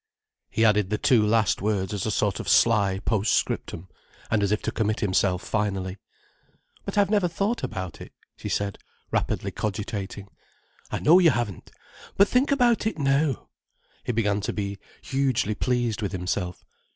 He added the two last words as a sort of sly post scriptum, and as if to commit himself finally. "But I've never thought about it," she said, rapidly cogitating. "I know you haven't. But think about it now—" He began to be hugely pleased with himself.